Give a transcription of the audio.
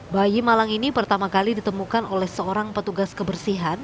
bayi malang ini pertama kali ditemukan oleh seorang petugas kebersihan